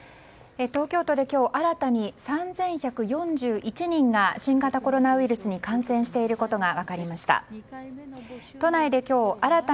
東京都で今日新たに３１４１人が新型コロナウイルスに感染していることが分かりました。